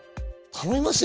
頼みますよ